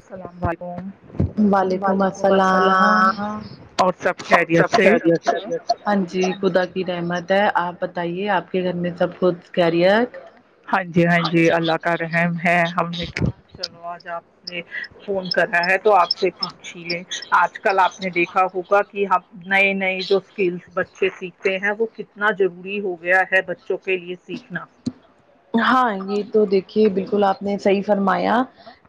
السلام علم وعلیکم السلام اور سب اور سب خیریتھ سے ہے ہاں جی خدا کی رحمت آپ بتائیے آپ کے گھر میں سب کچھ خیریتھ ہاں جی ہاں جی اللہ کا رحم ہے ہم نے کہا چلو آج آپ سے فون کرنا تو آپ سے کچ چھی لیں آج کل آپ نے دیکھا ہوگا کہ ہم نئے نئے جو اسکلس بچے سیکھتے ہیں وہ کتنا ضروری ہو گیا ہے بچوں کے لیے سیکھنا ہاں یہ تو دیکھیے بالکل آپ نے صحیح فرمایا یا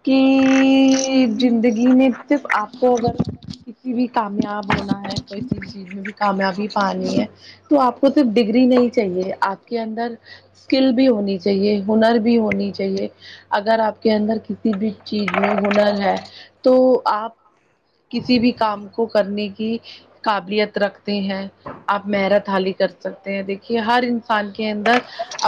کہ زندگی میں صرف آپ کو اگر کسی بھی کامیاب ہونا ہے کوئیسی چیز میں بھی کامیابی پانی ہے تو آپ کو صرف ڈگری نہیں چاہیے آپ کے اندر اسکل بھی ہونی چاہیے ہنر بھی ہونی چاہیے اگر آپ کے اندر کسی بھی چیز میں ہنر ہے تو آپ کسی بھی کام کو کرنے کی قابلیت رکھتے ہیں آپ محرت حالی کر سکتے ہیں دیکھیے ہر انسان کے اندر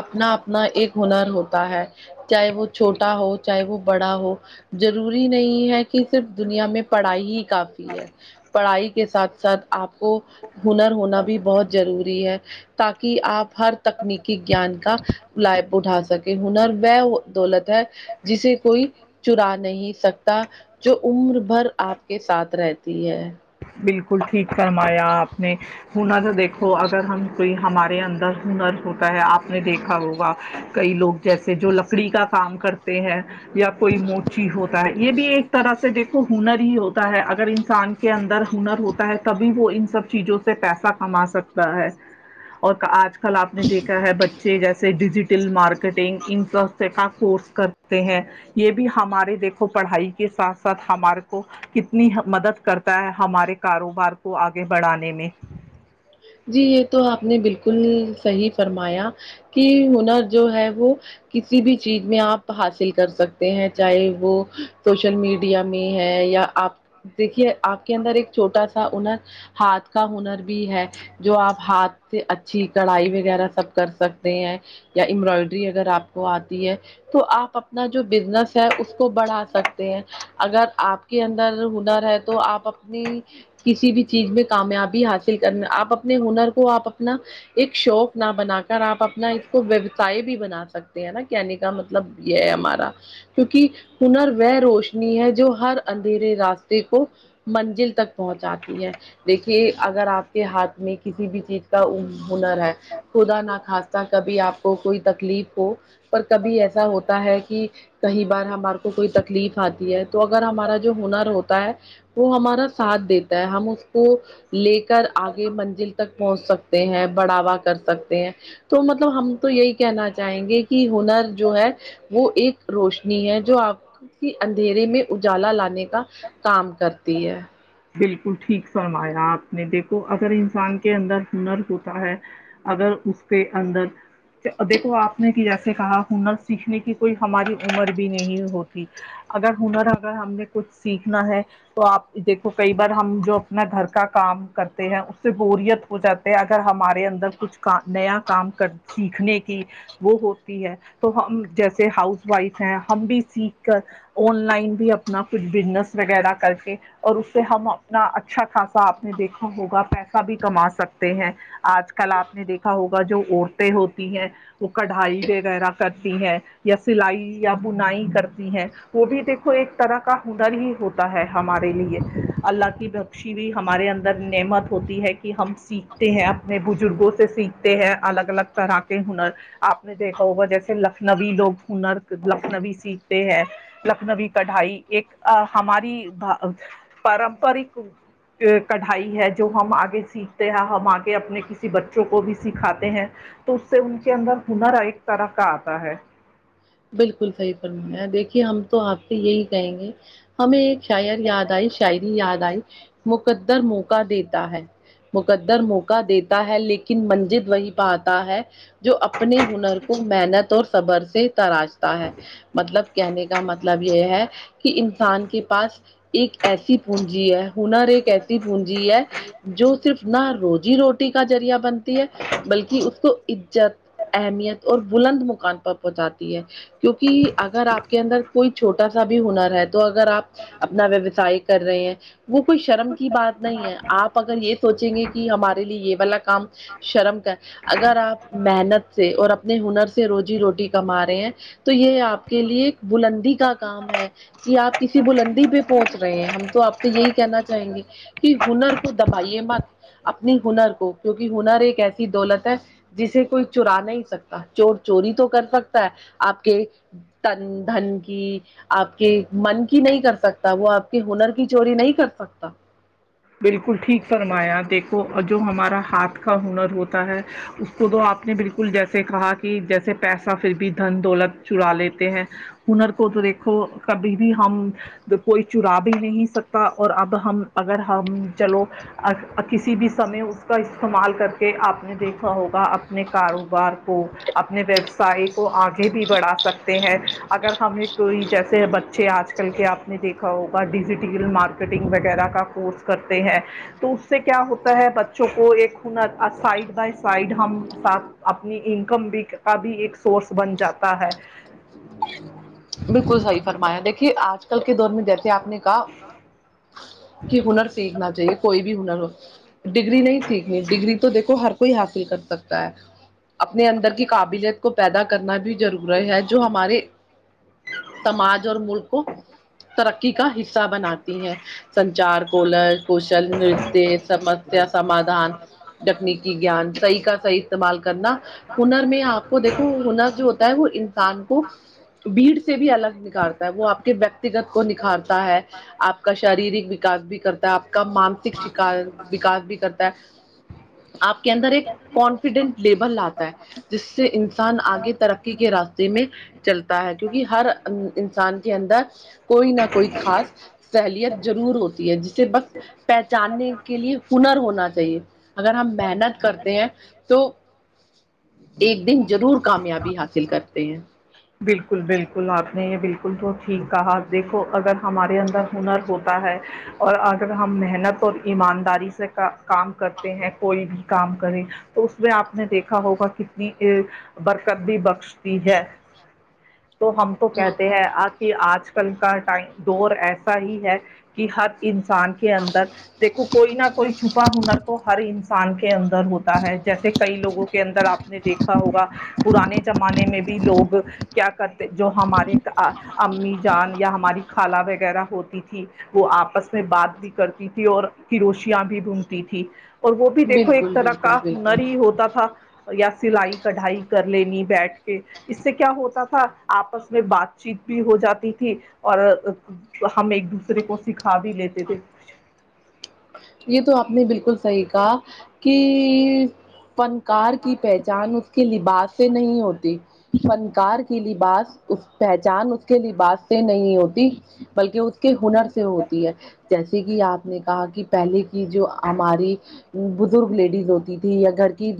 اپنا اپنا ایک ہنر ہوتا ہے چاہے وہ چھوٹا ہو چاہے وہ بڑا ہو ضروری نہیں ہے کہ صرف دنیا میں پڑھائی ہی کافی ہے پڑھائی کے ساتھ ساتھ آپ کو ہنر ہونا بھی بہت ضروری ہے تاکہ آپ ہر تکنیکی گیان کا لائب اٹھا سکے ہنر وہ دولت ہے جسے کوئی چرا نہیں سکتا جو عمر بھر آپ کے ساتھ رہتی ہے بالکل ٹھیک فرما یا آ نے ہنار جو دیکھو اگر ہم کوئی ہمارے اندر ہنر ہوتا ہے آپ نے دیکھا ہوگا کئی لوگ جیسے جو لکڑی کا کام کرتے ہیں یا کوئی موچی ہوتا ہے یہ بھی ایک طرح سے دیکھو ہنر ہی ہوتا ہے اگر انسان کے اندر ہنر ہوتا ہے تب وہ ان سب چیزوں سے پیسہ کما سکتا ہے اور آج کل آپ نے دیکھا ہے بچے جیسے ڈیجیٹل تل مارکیٹنگ انفراس کا کورس کرتے ہیں یہ بھی ہمارے دیکھو پڑھائی کے ساتھ ساتھ ہمارے کو کتنی مدد کرتا ہے ہمارے کاروبار کو آگے بڑھانے میں جی یہ تو آپ نے بالکل صحیح فرمایا کی ہنر جو ہے وہ کسی بھی چیز میں آپ حاصل کر سکتے ہیں چاہے وہ سوشل میڈیا میں ہے یا آپ دیکھیے آپ کے اندر ایک چھوٹا سا ہنر ہاتھ کا ہنر بھی ہے جو آپ ہاتھ سے اچھی کڑھائی وغیرہ سب کر سکتے ہیں یا امبرائڈری اگر آپ کو آتی ہے تو آپ اپنا جو بزنس ہے اس کو بڑھا سکتے ہیں اگر آپ کے اندر ہنر ہے تو آپ اپنی کسی بھی چیز میں کامیابی حاصل کرنے آپ اپنے ہنر کو آپ اپنا ایک شوق نہ بنا کر آپ اپنا اس کو و چائی بھی بنا سکتے ہیں نا کہنے کا مطلب یہ ہے ہمارا کیونکہ ہنر وہ روشنی ہے جو ہر اندھیرے راستے کو منزل تک پہنچاتی ہے دیکھیے اگر آپ کے ہاتھ میں کسی بھی چیز کا ہنر ہے خدا نہ خاستہ کبھی آپ کو کوئی تکلیف ہو پر کبھی ایسا ہوتا ہے کی کئی بار ہمارے کو کوئی تکلیف آتی ہے تو اگر ہمارا جو ہنر ہوتا ہے وہ ہمارا ساتھ دیتا ہے ہم اس کو یہ کر آگ منزل تک پہنچ سکتے ہیں بڑھاوا کر سکتے ہیں تو مطلب ہم تو یہی کہنا چاہیں گے کی ہنر جو ہے وہ ایک روشنی ہے جو آپ کی اندھیرے میں اجالا لانے کا کام کرتی ہے بالکل ٹھیک فرمایا آپ نے دیکھو اگر انسان کے اندر ہنر ہوتا ہے اگر اس کے اندر دیکھو آپ نے کہ جیسے کہا ہنر سیکھنے کی کوئی ہماری عمر بھی نہیں ہوتی اگر ہنر اگر ہم نے کچھ سیکھنا ہے تو آپ دیکھو کئی بار ہم جو اپنا گھر کا کام کرتے ہیں اس سے بوریت ہو جاتے ہیں اگر ہمارے اندر کچھ کا نیا کام کر سیکھنے کی وہ ہوتی ہے تو ہم جیسے ہاؤس وائف ہیں ہم بھی سیکھ کر آن لائن بھی اپنا کچھ بزنس وغیرہ کر کے اور اس سے ہم اپنا اچھا خاصا آپ نے دیکھا ہوگا پیسہ بھی کما سکتے ہیں آج کل آپ نے دیکھا ہوگا جو عورتیں ہوتی ہیں وہ کڑھائی وغیرہ کرتی ہیں یا سلائی یا بنائی کرتی ہیں وہ بھی دیکھو ایک طرح کا ہنر ہی ہوتا ہے ہمارے لیے اللہ کی ب سی بھی ہمارے اندر نعمت ہوتی ہے کی ہم سیکھتے ہیں اپنے بزرگوں سے سیکھتے ہیں الگ الگ طرح کے ہنر آپ نے دیکھا ہوگا جیسے لکھنوی لوگ ہنر لکھنوی سیکھتے ہیں لکھنوی کڑھائی ایک ہماری بہا پارمپارک کڑھائی ہے جو ہم آگے سیکھتے ہیں ہم آگے اپنے کسی بچوں کو بھی سکھاتے ہیں تو اس سے ان کے اندر ہنر ایک طرح کا آتا ہے بالکل صحیح فرمایا دیکھیے ہم تو آپ کو یہی کہیں گے ہمیں ایک شاعر یاد آئی شاعری یاد آئی مقدر موقع دیتا ہے مقدر موقع دیتا ہے لیکن منزل وہی پاتا ہے جو اپنے ہنر کو محنت اور صبر سے تراشتا ہے مطلب کہنے کا مطلب یہ ہے کہ انسان کے پاس ایک ایسی پونجی ہے ہنر ایک ایسی پونجی ہے جو صرف نہ روزی روٹی کا ذریعہ بنتی ہے بلکہ اس کو عزت اہمیت اور بلند مقام پر پہنچاتے کیوں کہ اگر آپ کے اندر کوئی چھوٹا سا بھی ہنر ہے تو اگر آپ اپنا ویوسائے کر رہے ہیں وہ کوئی شرم کی بات نہیں ہے آپ اگر یہ سوچیں گے کہ ہمارے لیے یہ والا کام شرم کا ہے اگر آپ محنت سے اور اپنے ہنر سے روزی روٹی کما ہیں تو یہ آپ کے لیے ایک بلندی کا کام ہے کہ آپ کسی بلندی پہ پہنچ رہے ہیں ہم تو آپ سے یہی کہنا چاہیں گے کہ ہنر کو دبائیے مت اپنی ہنر کو کیونکہ ہنر ایک ایسی دولت ہے جسے کوئی چرا نہیں سکتا چور چوری تو کر سکتا ہے آپ کے تن دھن کی آپ کے من کی نہیں کر سکتا وہ آپ کے ہنر کی چوری نہیں کر سکتا بالکل ٹھیک فرمایا دیکھو جو ہمارا ہاتھ کا ہنر ہوتا ہے اس کو تو آپ نے بالکل جیسے کہا کہ جیسے پیسہ پھر بھی دھن دولت چرا لیتے ہیں ہنر کو تو دیکھو کبھی بھی ہم کوئی چرا بھی نہیں سکتا اور اب ہم اگر ہم چلو کسی بھی سمئے اس کا استعمال کر کے آپ نے دیکھا ہوگا اپنے کاروبار کو اپنے ویوسائے کو آگے بھی بڑھا سکتے ہیں اگر ہمیں کوئی جیسے بچے آج کل کے آپ نے دیکھا ہوگا ڈیجیٹل مارکیٹنگ وغیرہ کا کورس کرتے ہیں تو اس سے کیا ہوتا ہے بچوں کو ایک ہنر سائڈ بائی سائڈ ہم ساتھ اپنی انکم بھی کا بھی ایک سورس بن جاتا ہے بالکل صحیح فرمایا دیکھیے آج کل کے دور میں جیسے آپ نے کہا کہ ہنر سیکھنا چاہیے کوئی بھی ہنر ہو ڈگری نہیں سیکھنی ڈگری تو دیکھو ہر کوئی حاصل کر سکتا ہے اپنے اندر کی قابلیت کو پیدا کرنا بھی ضروری ہے جو ہمارے سماج اور ملک کو ترقی کا حصہ بناتی ہیں سنچار کولش کوشل نتیہ سمسیا سمادھان تکنیکی گیان صحیح کا صحیح استعمال کرنا ہنر میں آپ کو دیکھو ہنر جو ہوتا ہے وہ انسان کو بھیڑ سے بھی الگ نکھارتا ہے وہ آپ کے ویکتیگت کو نکھارتا ہے آپ کا شارییرک وکاس بھی کرتا ہے آپ کا مانسک شا وکاس بھی کرتا ہے آپ کے اندر ایک کانفیڈنٹ لیول آتا ہے جس سے انسان آگے ترقی کے راستے میں چلتا ہے کیونکہ ہر انسان کے اندر کوئی نہ کوئی خاص سہلیت ضرور ہوتی ہے جسے بس پہچاننے کے لیے ہنر ہونا چاہیے اگر ہم محنت کرتے ہیں تو ایک دن ضرور کامیابی حاصل کرتے ہیں بالکل بالکل آپ نے یہ بالکل بلکل تو ٹھیک کہا دیکھو اگر ہمارے اندر ہنر ہوتا ہے اور اگر ہم محنت اور ایمانداری سے کام کرتے ہیں کوئی بھی کام کرے تو اس میں آپ نے دیکھا ہوگا کتنی برکت بھی بخشتی ہے تو ہم تو کہتے ہیں آج کہ آج کل کا ٹائم دور ایسا ہی ہے کہ ہر انسان کے کے اندر دیکھو کوئی نہ کوئی چھپا ہنر تو ہر انسان انسان کے اندر ہوتا ہے جیسے کئی لوگوں کے اندر آپ نے دیکھا ہوگا پرانے زمانے میں بھی لوگ کیا کرتے جو ہمارے امی جان یا ہماری خالہ وغیرہ ہوتی تھی وہ آپس میں بات بھی کرتی تھی اور کر روشیاں بھی ڈھونڈتی تھی اور وہ بھی دیکھو ایک بالکل طرح کا بالکل بالکل ہنر ہی ہوتا تھا یا سلائی کڑھائی کر لینی بیٹھ کے اس سے کیا ہوتا تھا آپس میں بات چیت بھی ہو جاتی تھی اور ہم ایک دوسرے کو سیکھا بھی لیتے تھے یہ تو آپ نے بلکل صحیح کہا کہ فنکار کی پہچان اس کے لباس سے نہیں ہوتی فنکار کی لباس پہچان اس کے لباس سے نہیں ہوتی بلکہ اس کے ہنر سے ہوتی ہے جیسے کہ آپ نے کہا کہ پہلے کی جو ہماری بزرگ لیڈیز ہوتی تھی یا گھر کی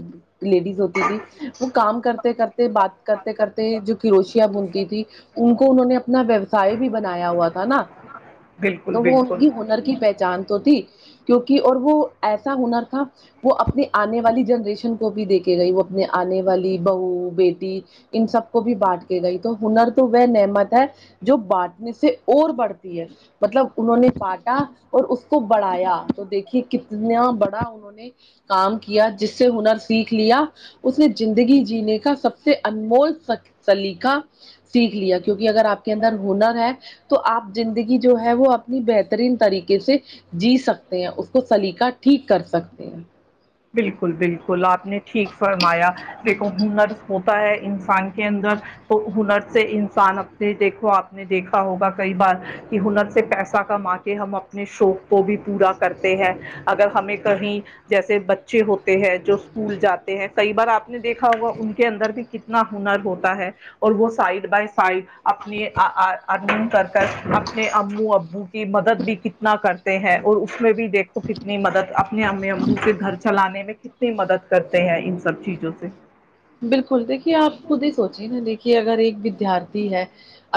لیڈیز ہوتی تھی وہ کام کرتے کرتے بات کرتے کرتے جو کروشیاں بنتی تھی ان کو انہوں نے اپنا ویوسائے بھی بنایا ہوا تھا نا بالکل تو وہ ان بالکل کی ہنر کی پہچان تو تھی کیونکہ اور وہ ایسا ہنر تھا وہ اپنی آنے والی جنریشن کو بھی دیکھے گئی وہ اپنے آنے والی بہو بیٹی ان سب کو بھی بانٹ کے گئی تو ہنر تو وہ نعمت ہے جو بانٹنے سے اور بڑھتی ہے مطلب انہوں نے کااٹا اور اس کو بڑ تو دیکھیے کتنا بڑا انہوں نے کام کیا جس سے ہنر سیکھ لیا اس نے زندگی جینے کا سب سے انمول سلیقہ سیکھ لیا کیونکہ اگر آپ کے اندر ہنر ہے تو آپ زندگی جو ہے وہ اپنی بہترین طریقے سے جی سکتے تے ہیں اس کو سلیقہ ٹھیک کر سکتے ہیں بالکل بالکل آپ نے ٹھیک فرمایا ہنرس ہوتا ہے انسان کے اندر تو ہنر سے انسان اپنے دیکھو آپ نے دیکھا ہوگا کئی بار کہ ہنر سے پیسہ کما کہ ہم اپنے شوق کو بھی پورا کرتے ہیں اگر ہمیں کہیں جیسے بچے ہوتے ہیں جو اسکول جاتے ہیں کئی بار آپ نے دیکھا ہوگا ان کے اندر بھی کتنا ہنر ہوتا ہے اور وہ سائڈ بائی سائڈ اپنے ارننگ کر کر اپنے امو ابو مدد بھی کتنا کرتے ہیں اور اس میں بھی دیکھ کو کتنی مدد اپنے اممی ابو سے گھر چلانے میں کتنی مدد کرتے ہیں ان سب چیزوں سے بالکل دیکھیے آپ خود ہی سوچیے نا دیکھیے اگر ایک ودیارتھی ہے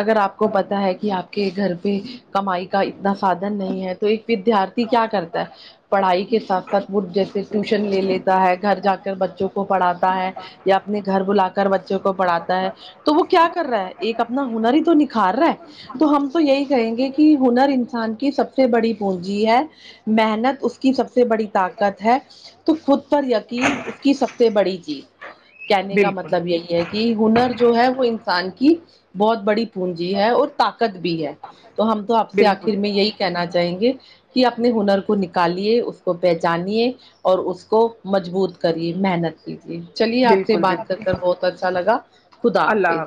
اگر آپ کو پتاہ ہے کہ آپ کے گھر پہ کمائی کا اتنا سادھن نہیں ہے تو ایک ودیارتھی کیا کرتا ہے پڑھائی کے ساتھ ساتھ وہ جیسے ٹیوشن لے لیتا ہے گھر جا کر بچوں کو پڑھاتا ہے یا اپنے گھر بلا کر بچوں کو پڑھاتا ہے تو وہ کیا کر رہا ہے ایک اپنا ہنر ہی تو نکھار رہا ہے تو ہم تو یہی کہیں گے کہ ہنر انسان کی سب سے بڑی پونجی ہے محنت اس کے کی سب سے بڑی طاقت ہے تو خود پر یقین اس کی سب سے بڑی جیت کہنے کا بالکل مطلب یہی ہے کہ ہنر جو ہے وہ انسان کی بہت بڑی پونجی ہے اور طاقت بھی ہے تو ہم تو آپ سے آخر میں یہی کہنا چاہیں گے کہ اپنے ہنر کو نکالیے اس کو پہچانیے اور اس کو مضبوط کریے محنت سے چلیے کیجیے۔ آپ سے بات کر کر بہت اچھا لگا خدا لگا، اللہ حافظ